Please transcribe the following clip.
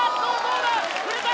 ⁉触れた！